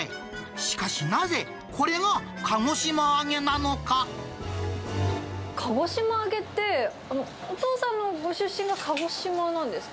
しかしなぜ、これが鹿児島揚げな鹿児島揚げって、お父さんのご出身が鹿児島なんですか？